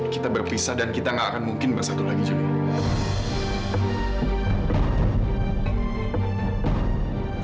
kita berpisah dan kita gak akan mungkin bersatu lagi sama